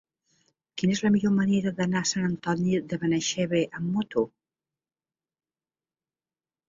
Quina és la millor manera d'anar a Sant Antoni de Benaixeve amb moto?